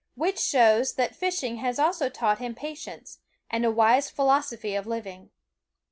Which shows that fishing has also taught him patience, and a wise philosophy of living.